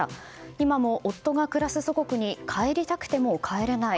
今も、夫が暮らす祖国に帰りたくても帰れない。